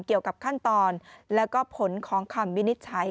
เกี่ยวกับขั้นตอนแล้วก็ผลของคำวินิจฉัย